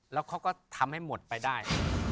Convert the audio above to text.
แล้วเขาก็ทำให้หมดไปได้